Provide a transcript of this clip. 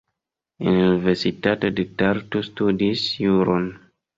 En Universitato de Tartu studis juron.